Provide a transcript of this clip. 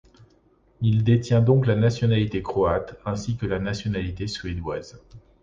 Il détient donc la nationalité croate, ainsi que la nationalité suédoise.